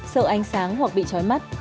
sợ ánh sáng hoặc bị trói mắt